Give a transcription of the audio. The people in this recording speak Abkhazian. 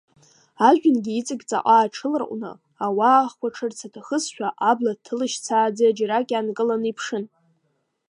Ажәҩангьы иҵегь ҵаҟа аҽыларҟәны, ауаа ахәаҽырц аҭахызшәа, абла ҭылашьцааӡа џьарак иаанкыланы иԥшын…